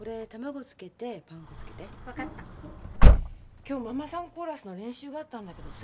今日ママさんコーラスの練習があったんだけどさ。